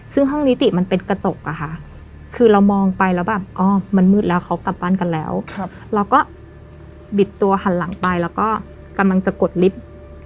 ซึ่งห้องนิติมันเป็นกระจกคือเรามองไปมันมืดแล้วเขากลับบ้านแล้วก็บิดตัวหันหลังไปแต่กำลังจะกดลิฟท์